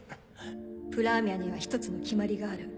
プラーミャには一つの決まりがある。